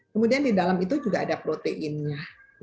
kemudian di dalam itu juga ada proteinnya